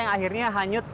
yang akhirnya hanyut